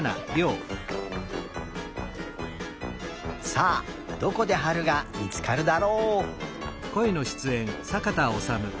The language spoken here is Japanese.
さあどこではるがみつかるだろう。